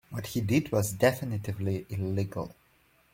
What he did was definitively illegal.